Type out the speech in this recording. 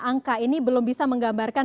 angka ini belum bisa menggambarkan